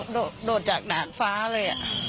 โดดโดดจากดากฟ้าเลยอะ